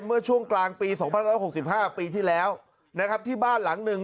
เมื่อช่วงกลางปี๒๑๖๕ปีที่แล้วนะครับที่บ้านหลังหนึ่ง